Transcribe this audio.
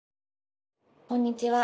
こんにちは。